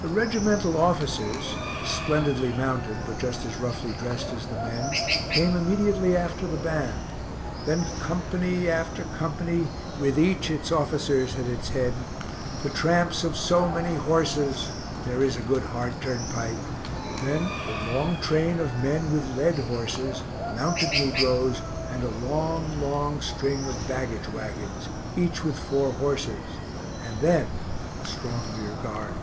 The regimental officers (splendidly mounted, but just as roughly dressed as the men) came immediately after the band, then company after company, with each its officers at its head the tramps of so many horses (there is a good hard turnpike) then a long train of men with led horses, mounted negroes, and a long, long string of baggage wagons, each with four horses, and then a strong rear guard.